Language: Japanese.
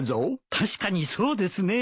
確かにそうですね。